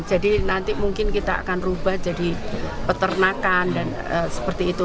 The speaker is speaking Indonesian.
jadi nanti mungkin kita akan berubah jadi peternakan dan seperti itu